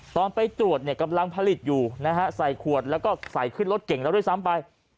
ตอนไปตรวจเนี่ยกำลังผลิตอยู่นะฮะใส่ขวดแล้วก็ใส่ขึ้นรถเก่งแล้วด้วยซ้ำไป